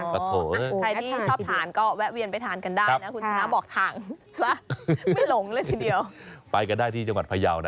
ถ้าใส่กริกเยอะไปมันก็จะเป็ดไม่ใช่เป็ด